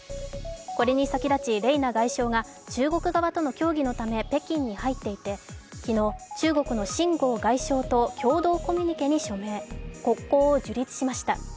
これに先立ちレイナ外相が中国側との協議に入っていて昨日、中国の秦剛外相と共同コミュニケに署名、国交を樹立しました。